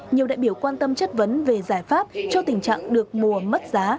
nhiều đại biểu quan tâm chất vấn về giải pháp cho tình trạng được mùa mất giá